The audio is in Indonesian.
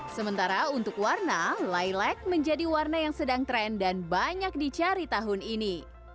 sementara untuk warna lilake menjadi warna yang sedang tren dan banyak dicari tahun ini